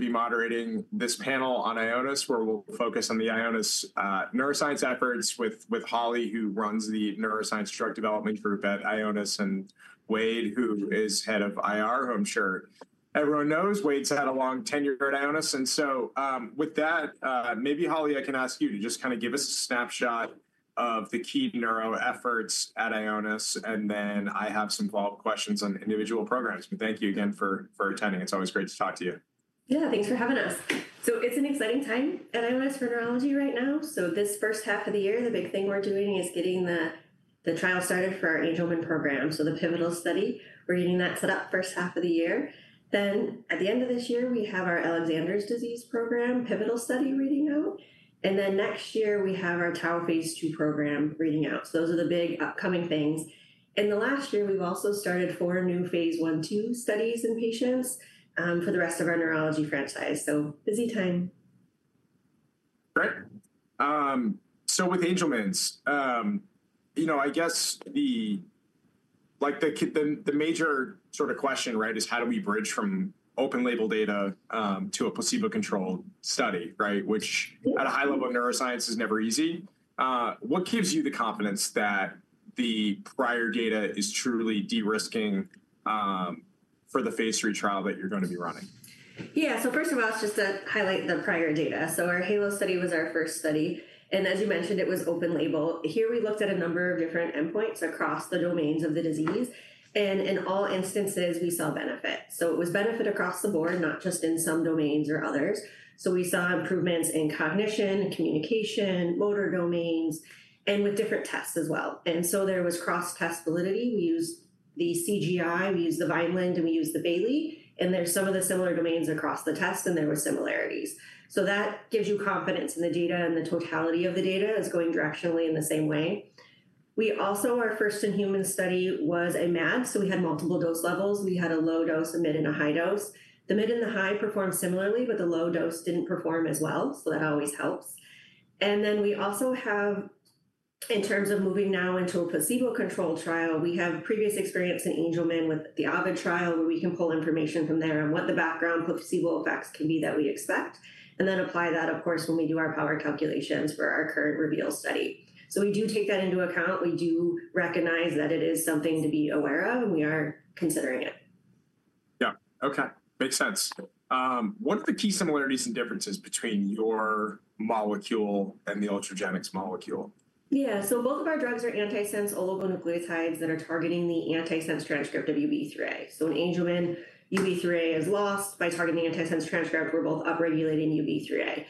To be moderating this panel on Ionis, where we'll focus on the Ionis neuroscience efforts with Holly, who runs the neuroscience drug development group at Ionis, and Wade, who is Head of IR, who I'm sure everyone knows. Wade's had a long tenure at Ionis. With that, maybe, Holly, I can ask you to just kind of give us a snapshot of the key neuro efforts at Ionis, and then I have some follow-up questions on individual programs. Thank you again for attending. It's always great to talk to you. Yeah, thanks for having us. It's an exciting time at Ionis for neurology right now. This first half of the year, the big thing we're doing is getting the trial started for our Angelman program, the pivotal study. We're getting that set up first half of the year. At the end of this year, we have our Alexander's disease program pivotal study reading out. Next year, we have our tau Phase II program reading out. Those are the big upcoming things. In the last year, we've also started four new Phase I/II studies in patients for the rest of our neurology franchise. Busy time. Great. With Angelman's, you know, I guess the major sort of question, right, is how do we bridge from open label data to a placebo-controlled study, right, which at a high level of neuroscience is never easy. What gives you the confidence that the prior data is truly de-risking for the phase three trial that you're going to be running? Yeah, so first of all, just to highlight the prior data. Our HALOS study was our first study. As you mentioned, it was open label. Here, we looked at a number of different endpoints across the domains of the disease. In all instances, we saw benefit. It was benefit across the board, not just in some domains or others. We saw improvements in cognition, communication, motor domains, and with different tests as well. There was cross-test validity. We used the CGI, we used the Vineland, and we used the Bayley. There are some of the similar domains across the tests, and there were similarities. That gives you confidence in the data, and the totality of the data is going directionally in the same way. Our first in human study was a MAD. We had multiple dose levels. We had a low dose, a mid, and a high dose. The mid and the high performed similarly, but the low dose did not perform as well. That always helps. We also have, in terms of moving now into a placebo-controlled trial, previous experience in Angelman with the Ovid trial, where we can pull information from there on what the background placebo effects can be that we expect, and then apply that, of course, when we do our power calculations for our current reveal study. We do take that into account. We do recognize that it is something to be aware of, and we are considering it. Yeah, OK, makes sense. What are the key similarities and differences between your molecule and the Ultragenyx molecule? Yeah, so both of our drugs are antisense oligonucleotides that are targeting the antisense transcript of UBE3A. In Angelman, UBE3A is lost by targeting antisense transcript; we're both upregulating UBE3A.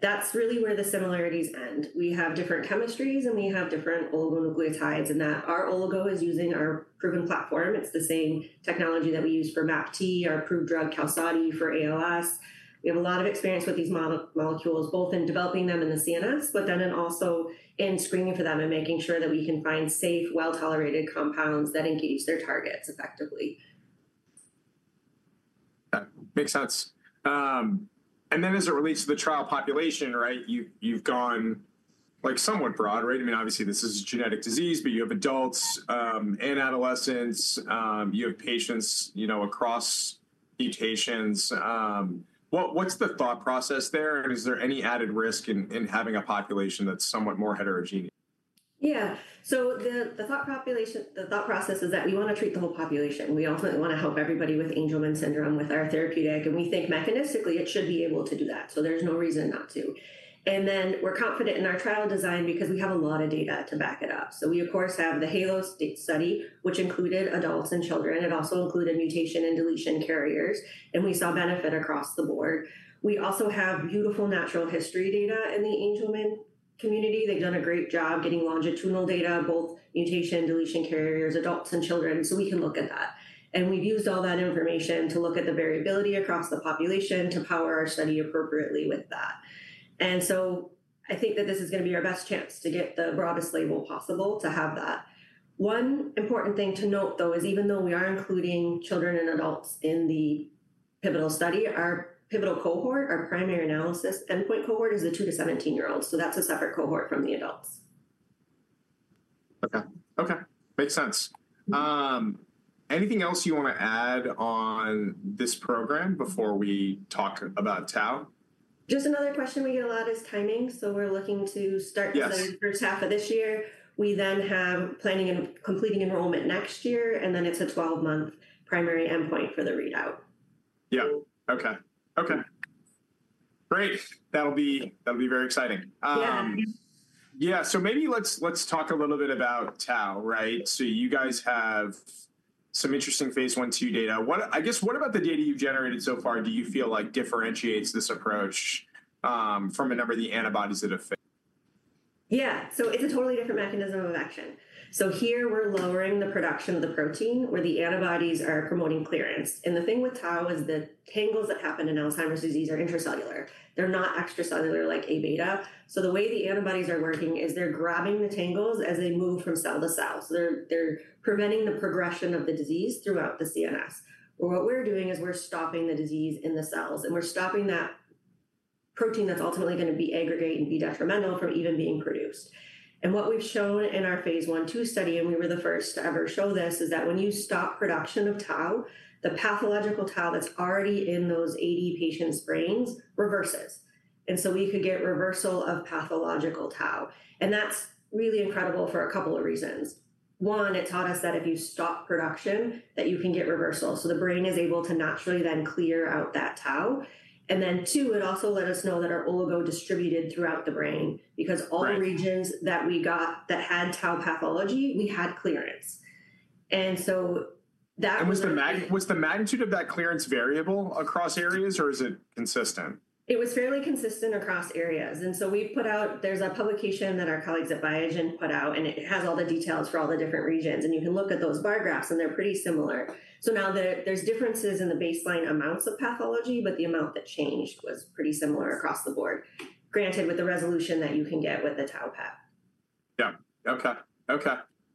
That's really where the similarities end. We have different chemistries, and we have different oligonucleotides, and our oligo is using our proven platform. It's the same technology that we use for MAPT, our approved drug, QALSODY, for ALS. We have a lot of experience with these molecules, both in developing them in the CNS, but then also in screening for them and making sure that we can find safe, well-tolerated compounds that engage their targets effectively. Makes sense. As it relates to the trial population, right, you've gone like somewhat broad, right? I mean, obviously, this is a genetic disease, but you have adults and adolescents. You have patients, you know, across mutations. What's the thought process there? Is there any added risk in having a population that's somewhat more heterogeneous? Yeah, so the thought process is that we want to treat the whole population. We ultimately want to help everybody with Angelman syndrome with our therapeutic. We think mechanistically it should be able to do that. There is no reason not to. We are confident in our trial design because we have a lot of data to back it up. We, of course, have the HALOS study, which included adults and children. It also included mutation and deletion carriers. We saw benefit across the board. We also have beautiful natural history data in the Angelman community. They have done a great job getting longitudinal data, both mutation and deletion carriers, adults and children. We can look at that. We have used all that information to look at the variability across the population to power our study appropriately with that. I think that this is going to be our best chance to get the broadest label possible to have that. One important thing to note, though, is even though we are including children and adults in the pivotal study, our pivotal cohort, our primary analysis endpoint cohort, is the 2-17-year-olds. That is a separate cohort from the adults. OK, OK, makes sense. Anything else you want to add on this program before we talk about tau? Just another question we get a lot is timing. We are looking to start the first half of this year. We then have planning and completing enrollment next year. It is a 12-month primary endpoint for the readout. Yeah, OK. Great. That'll be very exciting. Yeah. Yeah, so maybe let's talk a little bit about tau, right? So you guys have some interesting Phase I/II data. I guess, what about the data you've generated so far do you feel like differentiates this approach from a number of the antibodies that have failed? Yeah, so it's a totally different mechanism of action. Here, we're lowering the production of the protein where the antibodies are promoting clearance. The thing with tau is the tangles that happen in Alzheimer's disease are intracellular. They're not extracellular like Aβ. The way the antibodies are working is they're grabbing the tangles as they move from cell to cell. They're preventing the progression of the disease throughout the CNS. What we're doing is we're stopping the disease in the cells. We're stopping that protein that's ultimately going to be aggregate and be detrimental from even being produced. What we've shown in our Phase I/II study, and we were the first to ever show this, is that when you stop production of tau, the pathological tau that's already in those 80 patients' brains reverses. We could get reversal of pathological tau. That is really incredible for a couple of reasons. One, it taught us that if you stop production, you can get reversal. The brain is able to naturally then clear out that tau. Two, it also let us know that our oligo distributed throughout the brain because all regions that we got that had tau pathology, we had clearance. That. Was the magnitude of that clearance variable across areas, or is it consistent? It was fairly consistent across areas. We have put out there is a publication that our colleagues at Biogen put out, and it has all the details for all the different regions. You can look at those bar graphs, and they are pretty similar. There are differences in the baseline amounts of pathology, but the amount that changed was pretty similar across the board, granted with the resolution that you can get with the tau path. Yeah, OK, OK.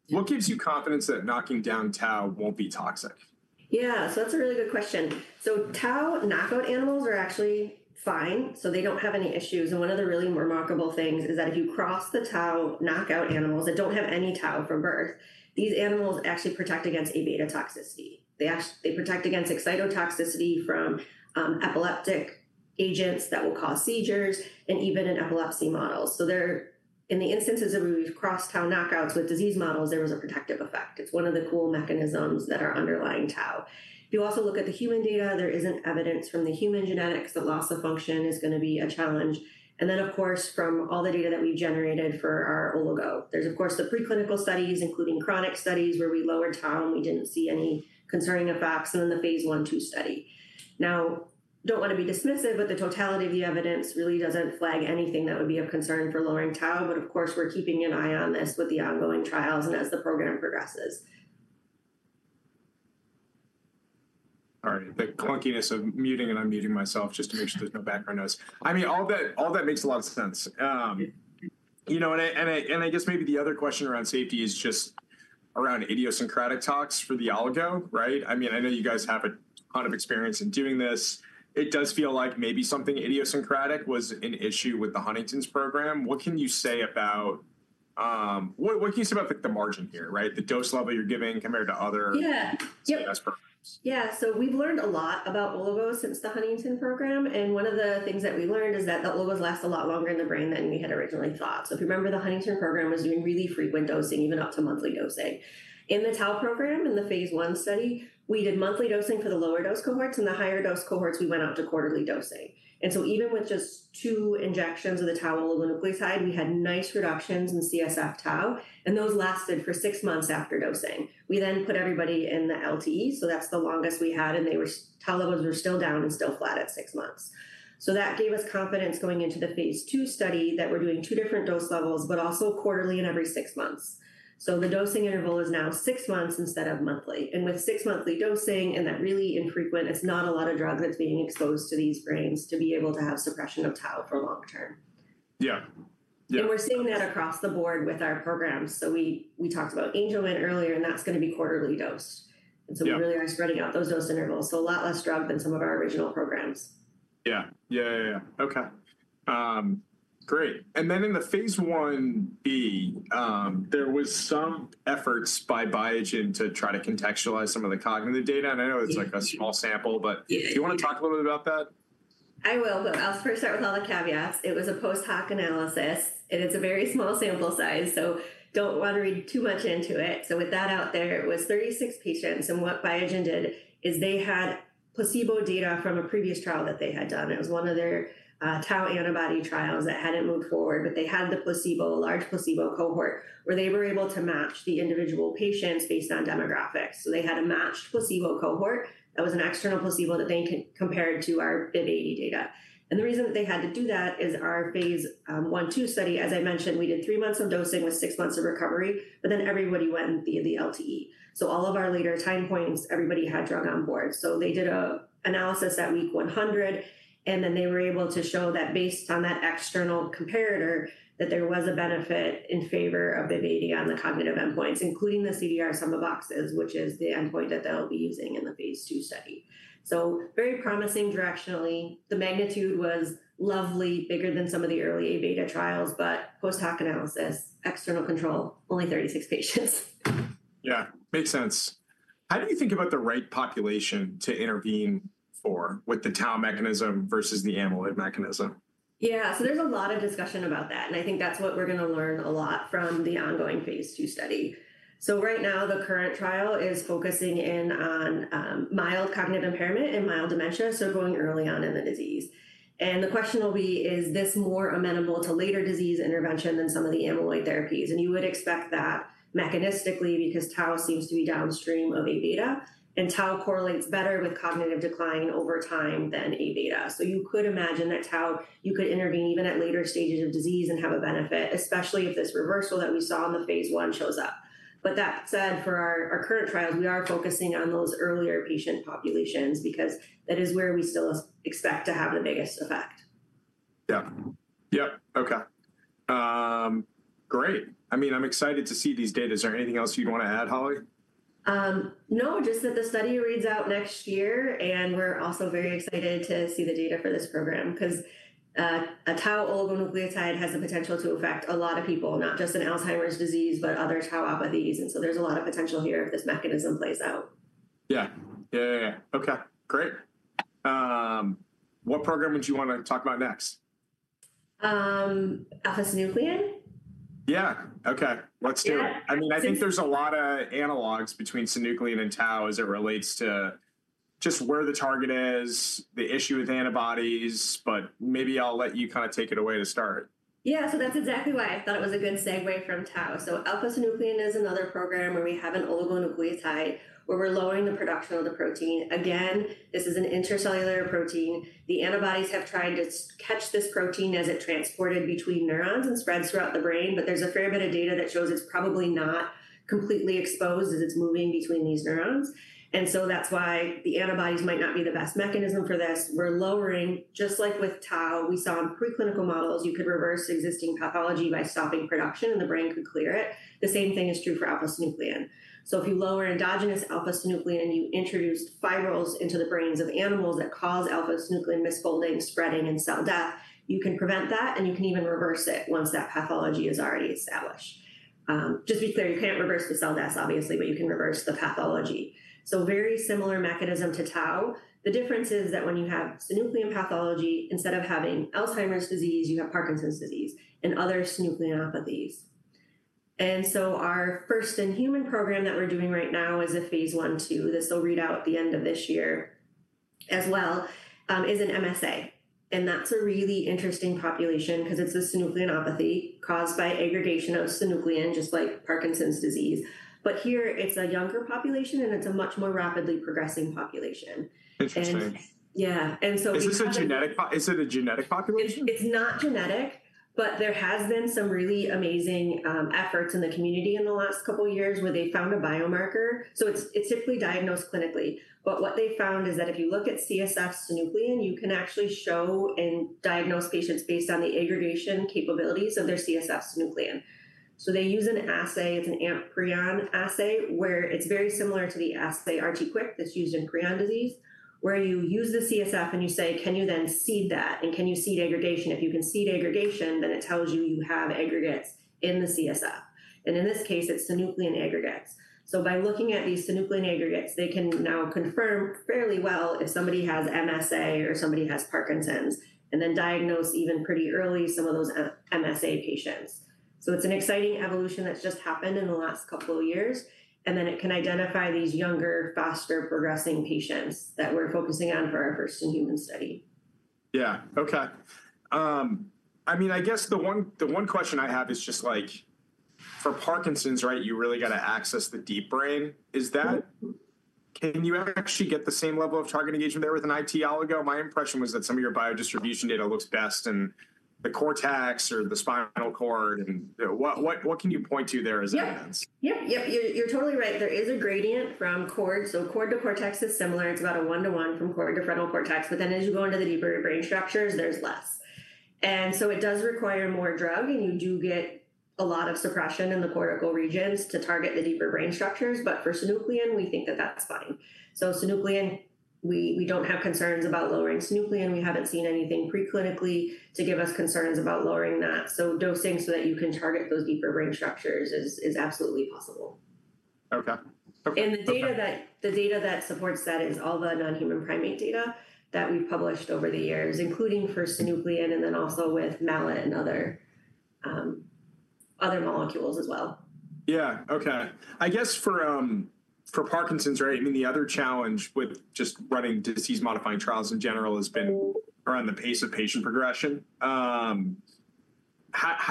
What gives you confidence that knocking down tau won't be toxic? Yeah, so that's a really good question. Tau knockout animals are actually fine, so they don't have any issues. One of the really remarkable things is that if you cross the tau knockout animals that don't have any tau from birth, these animals actually protect against Aβ toxicity. They protect against excitotoxicity from epileptic agents that will cause seizures and even in epilepsy models. In the instances of where we've crossed tau knockouts with disease models, there was a protective effect. It's one of the cool mechanisms that are underlying tau. If you also look at the human data, there isn't evidence from the human genetics that loss of function is going to be a challenge. Of course, from all the data that we've generated for our oligo, there's the preclinical studies, including chronic studies, where we lowered tau and we didn't see any concerning effects in the Phase I/II study. I don't want to be dismissive, but the totality of the evidence really doesn't flag anything that would be of concern for lowering tau. Of course, we're keeping an eye on this with the ongoing trials and as the program progresses. All right, the clunkiness of muting and unmuting myself just to make sure there's no background noise. I mean, all that makes a lot of sense. You know, and I guess maybe the other question around safety is just around idiosyncratic tox for the oligo, right? I mean, I know you guys have a ton of experience in doing this. It does feel like maybe something idiosyncratic was an issue with the Huntington's program. What can you say about what can you say about the margin here, right, the dose level you're giving compared to other CNS programs? Yeah, so we've learned a lot about oligos since the Huntington program. One of the things that we learned is that the oligos last a lot longer in the brain than we had originally thought. If you remember, the Huntington program was doing really frequent dosing, even up to monthly dosing. In the tau program, in the Phase I study, we did monthly dosing for the lower dose cohorts. In the higher dose cohorts, we went out to quarterly dosing. Even with just two injections of the tau oligonucleotide, we had nice reductions in CSF tau. Those lasted for six months after dosing. We then put everybody in the LTE. That's the longest we had. Tau levels were still down and still flat at six months. That gave us confidence going into the phase two study that we're doing two different dose levels, but also quarterly and every six months. The dosing interval is now six months instead of monthly. With six-monthly dosing, and that really infrequent, it's not a lot of drug that's being exposed to these brains to be able to have suppression of tau for long term. Yeah. We are seeing that across the board with our programs. We talked about Angelman earlier, and that is going to be quarterly dosed. We really are spreading out those dose intervals, so a lot less drug than some of our original programs. Yeah, OK, great. In the Phase Ib, there were some efforts by Biogen to try to contextualize some of the cognitive data. I know it's like a small sample, but do you want to talk a little bit about that? I will, but I'll first start with all the caveats. It was a post-hoc analysis. And it's a very small sample size, so don't want to read too much into it. With that out there, it was 36 patients. What Biogen did is they had placebo data from a previous trial that they had done. It was one of their tau antibody trials that hadn't moved forward, but they had the placebo, large placebo cohort, where they were able to match the individual patients based on demographics. They had a matched placebo cohort that was an external placebo that they compared to our BIIB080 data. The reason that they had to do that is our Phase I/II study, as I mentioned, we did three months of dosing with six months of recovery, but then everybody went via the LTE. All of our later time points, everybody had drug on board. They did an analysis at week 100. They were able to show that based on that external comparator, there was a benefit in favor of BIIB080 on the cognitive endpoints, including the CDR sum of boxes, which is the endpoint that they'll be using in the phase two study. Very promising directionally. The magnitude was lovely, bigger than some of the early Aβ trials, but post-hoc analysis, external control, only 36 patients. Yeah, makes sense. How do you think about the right population to intervene for with the tau mechanism versus the amyloid mechanism? Yeah, so there's a lot of discussion about that. I think that's what we're going to learn a lot from the ongoing phase two study. Right now, the current trial is focusing in on mild cognitive impairment and mild dementia, going early on in the disease. The question will be, is this more amenable to later disease intervention than some of the amyloid therapies? You would expect that mechanistically because tau seems to be downstream of Aβ. Tau correlates better with cognitive decline over time than Aβ. You could imagine that tau, you could intervene even at later stages of disease and have a benefit, especially if this reversal that we saw in the Phase I shows up. That said, for our current trials, we are focusing on those earlier patient populations because that is where we still expect to have the biggest effect. Yeah, yeah, OK, great. I mean, I'm excited to see these data. Is there anything else you'd want to add, Holly? No, just that the study reads out next year. We are also very excited to see the data for this program because a tau oligonucleotide has the potential to affect a lot of people, not just in Alzheimer's disease, but other tauopathies. There is a lot of potential here if this mechanism plays out. Yeah, yeah, yeah. OK, great. What program would you want to talk about next? Alpha-synuclein? Yeah, OK, let's do it. I mean, I think there's a lot of analogs between synuclein and tau as it relates to just where the target is, the issue with antibodies. Maybe I'll let you kind of take it away to start. Yeah, so that's exactly why I thought it was a good segue from tau. Alpha-synuclein is another program where we have an oligonucleotide where we're lowering the production of the protein. Again, this is an intracellular protein. The antibodies have tried to catch this protein as it transported between neurons and spreads throughout the brain. There is a fair bit of data that shows it's probably not completely exposed as it's moving between these neurons. That is why the antibodies might not be the best mechanism for this. We're lowering, just like with tau, we saw in preclinical models, you could reverse existing pathology by stopping production, and the brain could clear it. The same thing is true for alpha-synuclein. If you lower endogenous alpha-synuclein and you introduce fibrils into the brains of animals that cause alpha-synuclein misfolding, spreading, and cell death, you can prevent that. You can even reverse it once that pathology is already established. Just to be clear, you cannot reverse the cell death, obviously, but you can reverse the pathology. Very similar mechanism to tau. The difference is that when you have synuclein pathology, instead of having Alzheimer's disease, you have Parkinson's disease and other synucleinopathies. Our first in human program that we are doing right now is a Phase I/II. This will read out at the end of this year as well, is in MSA. That is a really interesting population because it is a synucleinopathy caused by aggregation of synuclein, just like Parkinson's disease. Here, it is a younger population, and it is a much more rapidly progressing population. Interesting. Yeah, and so we. Is it a genetic population? It's not genetic, but there has been some really amazing efforts in the community in the last couple of years where they found a biomarker. It's typically diagnosed clinically. What they found is that if you look at CSF synuclein, you can actually show and diagnose patients based on the aggregation capabilities of their CSF synuclein. They use an assay. It's an Amprion assay where it's very similar to the assay RT-QuIC that's used in Creutzfeldt-Jakob disease, where you use the CSF and you say, can you then seed that? Can you seed aggregation? If you can seed aggregation, then it tells you you have aggregates in the CSF. In this case, it's synuclein aggregates. By looking at these synuclein aggregates, they can now confirm fairly well if somebody has MSA or somebody has Parkinson's and then diagnose even pretty early some of those MSA patients. It is an exciting evolution that has just happened in the last couple of years. It can identify these younger, faster progressing patients that we are focusing on for our first in human study. Yeah, OK. I mean, I guess the one question I have is just like for Parkinson's, right, you really got to access the deep brain. Is that, can you actually get the same level of target engagement there with an IT oligo? My impression was that some of your biodistribution data looks best in the cortex or the spinal cord. What can you point to there as evidence? Yep, yep, yep, you're totally right. There is a gradient from cord. Cord to cortex is similar. It's about a one-to-one from cord to frontal cortex. As you go into the deeper brain structures, there's less. It does require more drug. You do get a lot of suppression in the cortical regions to target the deeper brain structures. For synuclein, we think that that's fine. Synuclein, we don't have concerns about lowering synuclein. We haven't seen anything preclinically to give us concerns about lowering that. Dosing so that you can target those deeper brain structures is absolutely possible. OK. The data that supports that is all the non-human primate data that we've published over the years, including for synuclein and then also with MALAT1 and other molecules as well. Yeah, OK. I guess for Parkinson's, right, I mean, the other challenge with just running disease-modifying trials in general has been around the pace of patient progression. How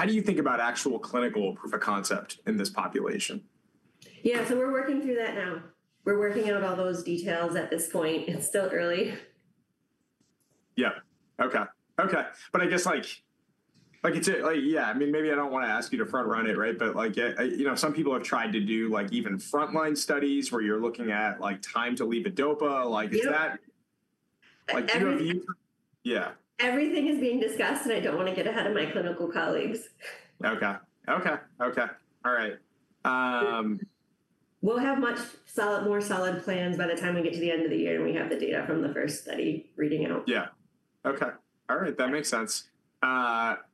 do you think about actual clinical proof of concept in this population? Yeah, we are working through that now. We are working out all those details at this point. It is still early. Yeah, OK, OK. I guess like yeah, I mean, maybe I don't want to ask you to front-run it, right? Some people have tried to do even frontline studies where you're looking at time to levodopa. Is that. Yeah. Do you know if you? Everything is being discussed, and I don't want to get ahead of my clinical colleagues. OK, all right. We'll have more solid plans by the time we get to the end of the year and we have the data from the first study reading out. Yeah, OK, all right, that makes sense.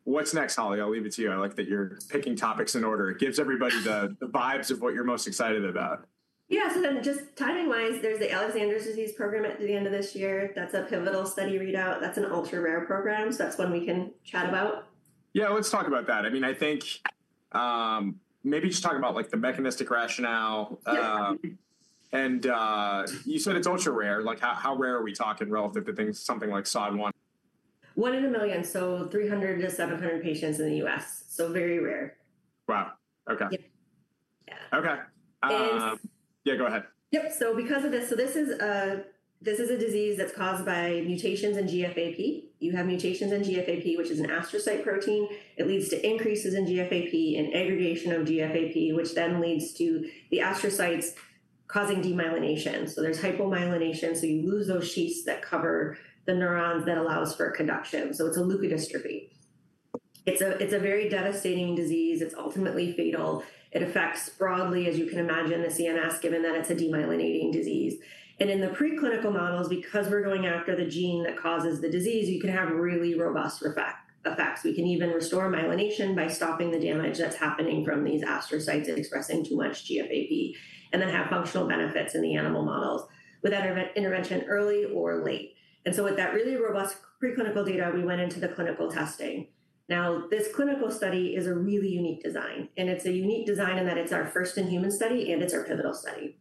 What's next, Holly? I'll leave it to you. I like that you're picking topics in order. It gives everybody the vibes of what you're most excited about. Yeah, so then just timing-wise, there's the Alexander's disease program at the end of this year. That's a pivotal study readout. That's an ultra-rare program. So that's one we can chat about. Yeah, let's talk about that. I mean, I think maybe just talk about the mechanistic rationale. You said it's ultra-rare. How rare are we talking relative to something like SOD1? One in a million, so 300-700 patients in the U.S., so very rare. Wow, OK. Yeah. OK. And. Yeah, go ahead. Yep, so because of this, this is a disease that's caused by mutations in GFAP. You have mutations in GFAP, which is an astrocyte protein. It leads to increases in GFAP and aggregation of GFAP, which then leads to the astrocytes causing demyelination. There is hypomyelination. You lose those sheaths that cover the neurons that allows for conduction. It is a leukodystrophy. It is a very devastating disease. It is ultimately fatal. It affects broadly, as you can imagine, the CNS, given that it is a demyelinating disease. In the preclinical models, because we are going after the gene that causes the disease, you can have really robust effects. We can even restore myelination by stopping the damage that is happening from these astrocytes expressing too much GFAP and then have functional benefits in the animal models with intervention early or late. With that really robust preclinical data, we went into the clinical testing. Now, this clinical study is a really unique design. It is a unique design in that it is our first in human study, and it is our pivotal study.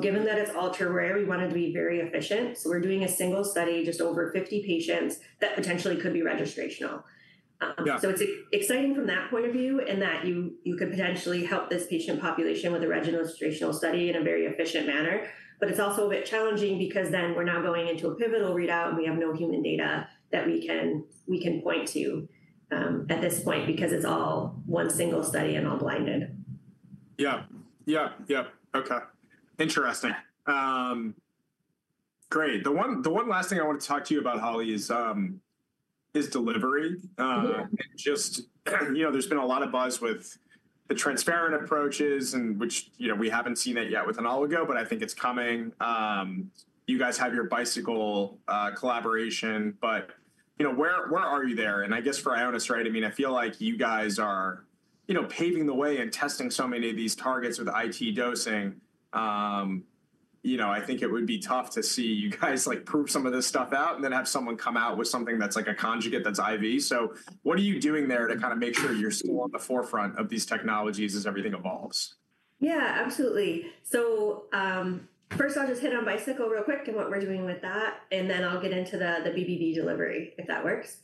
Given that it is ultra-rare, we wanted to be very efficient. We are doing a single study with just over 50 patients that potentially could be registrational. It is exciting from that point of view in that you could potentially help this patient population with a registrational study in a very efficient manner. It is also a bit challenging because we are now going into a pivotal readout, and we have no human data that we can point to at this point because it is all one single study and all blinded. Yeah, yeah, yeah, OK, interesting. Great. The one last thing I want to talk to you about, Holly, is delivery. There has been a lot of buzz with the transferrin approaches, which we have not seen yet with an oligo, but I think it is coming. You guys have your bicycle collaboration. Where are you there? I guess for Ionis, right, I mean, I feel like you guys are paving the way and testing so many of these targets with IT dosing. I think it would be tough to see you guys prove some of this stuff out and then have someone come out with something that is like a conjugate that is IV. What are you doing there to kind of make sure you are still on the forefront of these technologies as everything evolves? Yeah, absolutely. First, I'll just hit on Bicycle real quick and what we're doing with that. Then I'll get into the BBB delivery, if that works.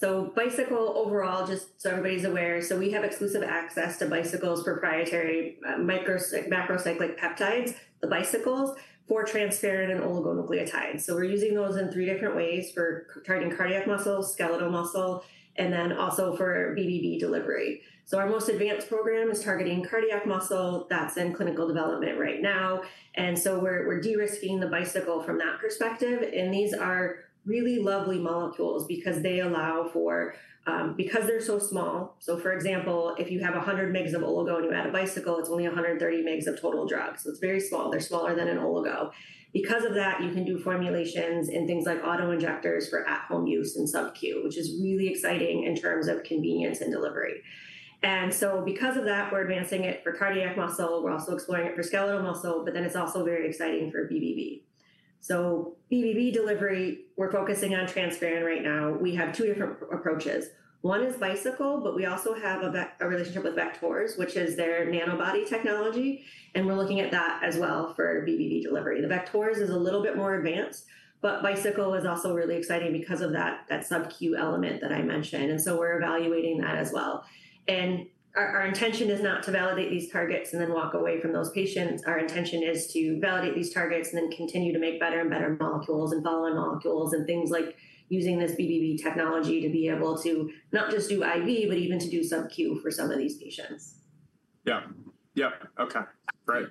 Bicycle overall, just so everybody's aware, we have exclusive access to Bicycles for proprietary macrocyclic peptides, the Bicycles, for transferrin and oligonucleotides. We're using those in three different ways for targeting cardiac muscle, skeletal muscle, and also for BBB delivery. Our most advanced program is targeting cardiac muscle. That's in clinical development right now. We're de-risking the Bicycle from that perspective. These are really lovely molecules because they allow for, because they're so small. For example, if you have 100 mg of oligo and you add a Bicycle, it's only 130 mg of total drug. It's very small. They're smaller than an oligo. Because of that, you can do formulations and things like auto injectors for at-home use and subQ, which is really exciting in terms of convenience and delivery. Because of that, we're advancing it for cardiac muscle. We're also exploring it for skeletal muscle. It is also very exciting for BBB. For BBB delivery, we're focusing on transferrin right now. We have two different approaches. One is Bicycle, but we also have a relationship with Vect-Horus, which is their nanobody technology. We're looking at that as well for BBB delivery. The Vect-Horus is a little bit more advanced. Bicycle is also really exciting because of that subQ element that I mentioned. We're evaluating that as well. Our intention is not to validate these targets and then walk away from those patients. Our intention is to validate these targets and then continue to make better and better molecules and following molecules and things like using this BBB technology to be able to not just do IV, but even to do subQ for some of these patients. Yeah, yeah, OK, great.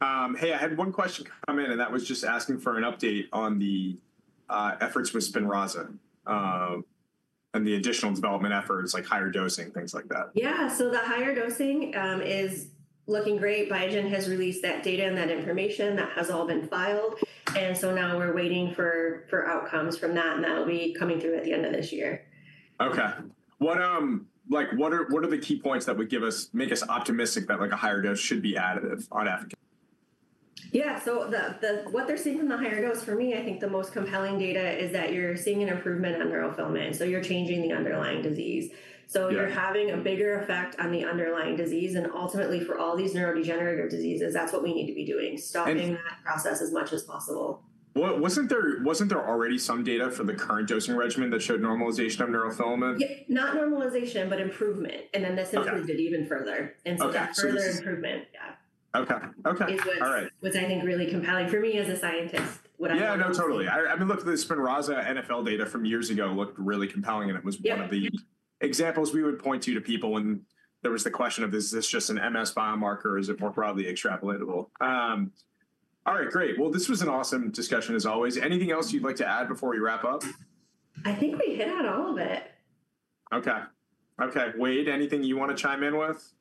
Hey, I had one question come in, and that was just asking for an update on the efforts with SPINRAZA and the additional development efforts, like higher dosing, things like that. Yeah, so the higher dosing is looking great. Biogen has released that data and that information that has all been filed. Now we're waiting for outcomes from that. That will be coming through at the end of this year. OK, what are the key points that would make us optimistic that a higher dose should be added on Africa? Yeah, so what they're seeing from the higher dose, for me, I think the most compelling data is that you're seeing an improvement on neurofilament. So you're changing the underlying disease. So you're having a bigger effect on the underlying disease. And ultimately, for all these neurodegenerative diseases, that's what we need to be doing, stopping that process as much as possible. Wasn't there already some data for the current dosing regimen that showed normalization of neurofilament? Not normalization, but improvement. That improved it even further. That further improvement, yeah. OK, OK. Which I think is really compelling for me as a scientist. Yeah, no, totally. I mean, look, the SPINRAZA-NfL data from years ago looked really compelling. It was one of the examples we would point to to people when there was the question of, is this just an MS biomarker? Is it more broadly extrapolatable? All right, great. This was an awesome discussion, as always. Anything else you'd like to add before we wrap up? I think we hit on all of it. OK, OK, Wade, anything you want to chime in with?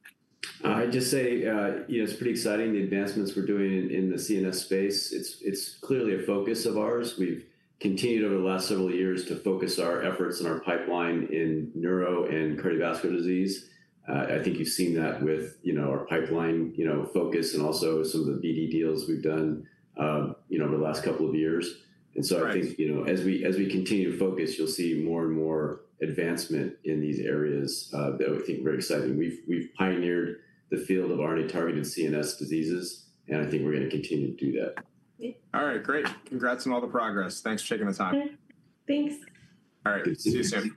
I'd just say it's pretty exciting, the advancements we're doing in the CNS space. It's clearly a focus of ours. We've continued over the last several years to focus our efforts and our pipeline in neuro and cardiovascular disease. I think you've seen that with our pipeline focus and also some of the BD deals we've done over the last couple of years. I think as we continue to focus, you'll see more and more advancement in these areas that we think are very exciting. We've pioneered the field of RNA-targeted CNS diseases. I think we're going to continue to do that. All right, great. Congrats on all the progress. Thanks for taking the time. Thanks. All right, see you soon.